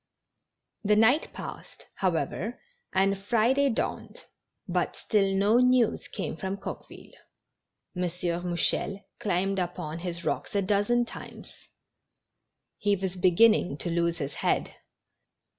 235 The night passed, however, and Friday dirwned ; but still no news came from Coqueville. M. Mouchel climbed up on his rock a dozen times. He was beginning to lose his head.